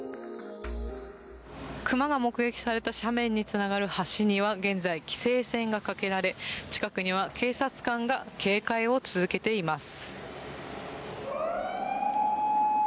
熊が目撃された斜面につながる橋には現在、規制線がかけられ近くには警察官が警戒を続けています。